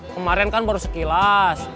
kemarin kan baru sekilas